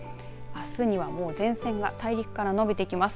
あすにはもう前線が大陸から延びてきます。